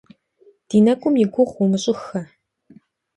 Ди нэкӀум и гугъу умыщӀыххэ.